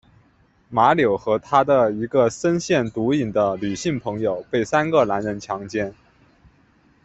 马纽和她的一个深陷毒瘾的女性朋友被三个男人强奸。